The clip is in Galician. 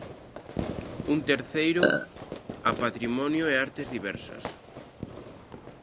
Un terceiro, a patrimonio e artes diversas.